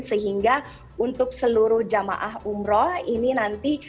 sehingga untuk seluruh jemaah umrah ini nanti